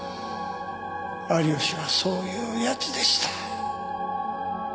有吉はそういう奴でした。